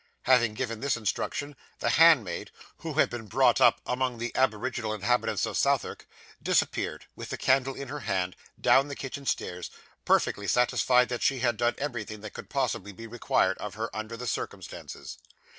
Having given this instruction, the handmaid, who had been brought up among the aboriginal inhabitants of Southwark, disappeared, with the candle in her hand, down the kitchen stairs, perfectly satisfied that she had done everything that could possibly be required of her under the circumstances.